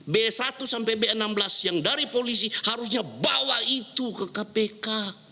b satu sampai b enam belas yang dari polisi harusnya bawa itu ke kpk